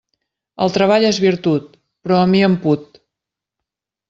El treball és virtut, però a mi em put.